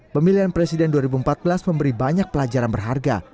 pemilihan presiden dua ribu empat belas memberi banyak pelajaran berharga